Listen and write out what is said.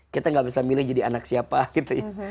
kita gak bisa milih jadi anak siapa gitu ya